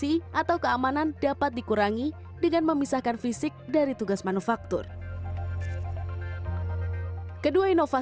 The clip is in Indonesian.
ketika sidarnya berumur dengan vitam ke entering films menggunakan engkau